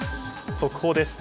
速報です。